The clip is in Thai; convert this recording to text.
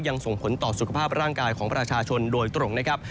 ส่งผลต่อสุขภาพร่างกายของประชาชนโดยตรงนะครับ